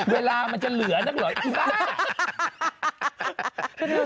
เวลามันจะเหลือนักเหรออีบ้า